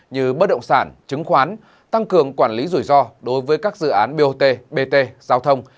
như bất động sản chứng khoán tăng cường quản lý rủi ro đối với các dự án bot bt giao thông